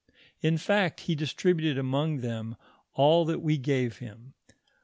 . In fact, he distributed among them all that we gave him.